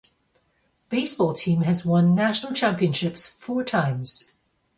Baseball team has won national championships four times.